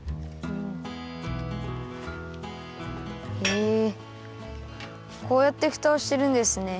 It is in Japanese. へえこうやってふたをしてるんですね。